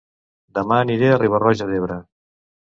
Dema aniré a Riba-roja d'Ebre